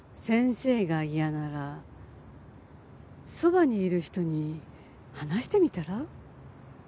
先生が嫌ならそばにいる人に話してみたら？